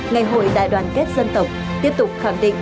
ngày hội đại đoàn kết dân tộc tiếp tục khẳng định